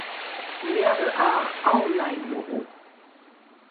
imia’e ’a ’aolaimo’o